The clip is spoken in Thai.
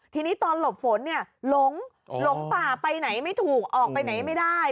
ทีนี้ตอนหลบฝนเนี่ยหลงหลงป่าไปไหนไม่ถูกออกไปไหนไม่ได้